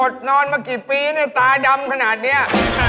นอนมากี่ปีเนี่ยตาดำขนาดนี้